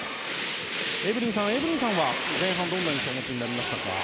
エブリンさんは前半どんな印象をお持ちになりましたか？